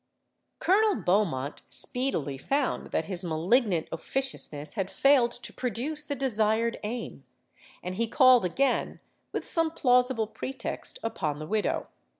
"Colonel Beaumont speedily found that his malignant officiousness had failed to produce the desired aim; and he called again, with some plausible pretext, upon the widow.